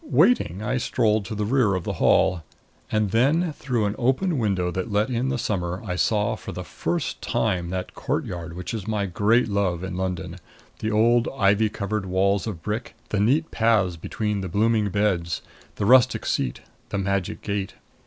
Waiting, I strolled to the rear of the hall. And then, through an open window that let in the summer, I saw for the first time that courtyard which is my great love in London the old ivy covered walls of brick; the neat paths between the blooming beds; the rustic seat; the magic gate.